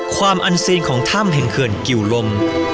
อันซีนของถ้ำแห่งเขื่อนกิวลม